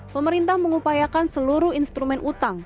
pemerintah mengupayakan seluruh instrumen utang